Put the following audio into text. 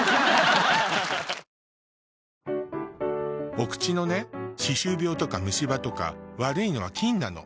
・お口のね歯周病とか虫歯とか悪いのは菌なの。